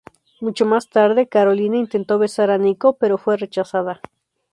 Mucho más tarde, Karolina intentó besar a Nico, pero fue rechazada.